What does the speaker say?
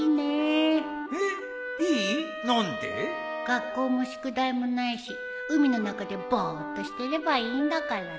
学校も宿題もないし海の中でボッとしてればいいんだからね。